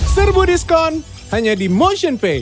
serbu diskon hanya di motionpay